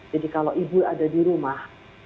jadi kalau ibu ada di rumah